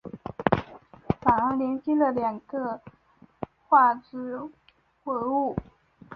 反应连接了两个羰基底物化合物。